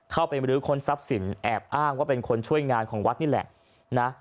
เข้าไปบรื้อค้นทรัพย์สินแอบอ้างว่าเป็นคนช่วยงานของวัดนี่แหละนะ